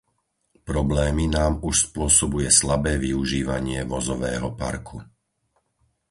Problémy nám už spôsobuje slabé využívanie vozového parku.